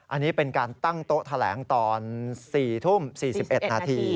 อันนี้เป็นการตั้งโต๊ะแถลงตอน๔ทุ่ม๔๑นาที